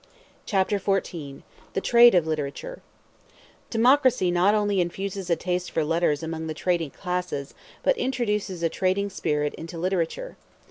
Chapter XIV: The Trade Of Literature Democracy not only infuses a taste for letters among the trading classes, but introduces a trading spirit into literature.